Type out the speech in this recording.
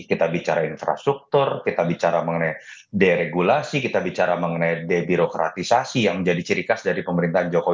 kita bicara infrastruktur kita bicara mengenai deregulasi kita bicara mengenai debirokratisasi yang menjadi ciri khas dari pemerintahan jokowi